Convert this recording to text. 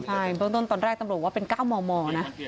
ใช่ตอนแรกตำรวจว่าเป็น๙หม่อนะ